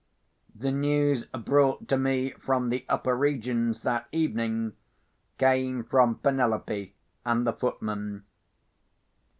The news brought to me from the upper regions, that evening, came from Penelope and the footman.